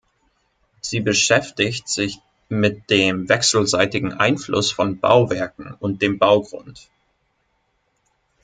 Sie beschäftigt sich mit dem wechselseitigen Einfluss von Bauwerken und dem Baugrund.